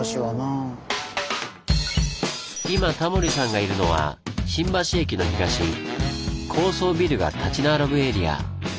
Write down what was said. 今タモリさんがいるのは新橋駅の東高層ビルが立ち並ぶエリア。